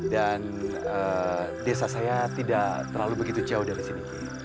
dan desa saya tidak terlalu begitu jauh dari sini